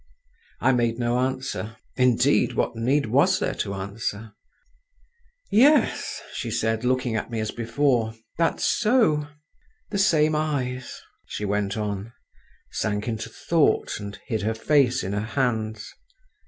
I made no answer—indeed, what need was there to answer? "Yes," she repeated, looking at me as before. "That's so. The same eyes,"—she went on; sank into thought, and hid her face in her hands.